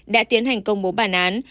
đã tiến hành công bố bản án